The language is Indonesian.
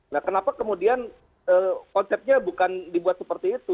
nah kenapa kemudian konsepnya bukan dibuat seperti itu